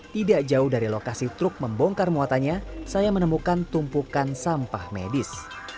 tidak jauh dari lokasi truk membongkar muatannya saya menemukan tumpukan sampah medis